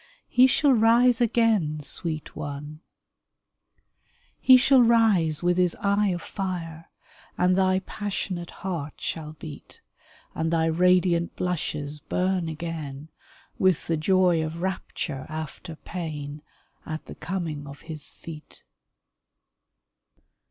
He shall rise again, sweet one ! 232 A RED ROSE He shall rise with his eye of fire — And thy passionate heart shall beat, And thy radiant blushes burn again, With the joy of rapture after pain At the coming of his feet